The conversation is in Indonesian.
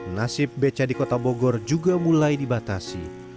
nasib beca di kota bogor juga mulai dibatasi